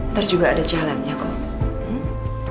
ntar juga ada jalannya kok